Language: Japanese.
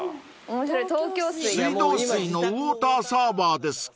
［水道水のウオーターサーバーですか］